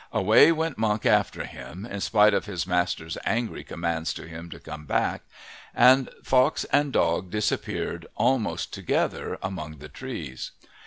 Away went Monk after him, in spite of his master's angry commands to him to come back, and fox and dog disappeared almost together among the trees.